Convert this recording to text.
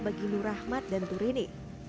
bagi nur rahmat dan turini